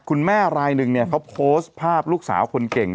คุณแม่ลายหนึ่งเขาโพสต์ภาพลูกสาวคนเก่ง